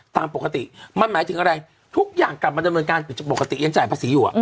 ตามปกติมันหมายถึงอะไรทุกอย่างกลับมาดำเนินการผิดปกติยังจ่ายภาษีอยู่